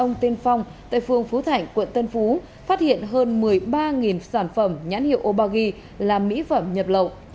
ông tên phong tại phường phú thảnh quận tân phú phát hiện hơn một mươi ba sản phẩm nhãn hiệu obagi là mỹ phẩm nhập lậu